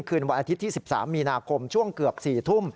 คืนวันอาทิตย์ที่๑๓มีนาคมช่วงเกือบ๔ทุ่ม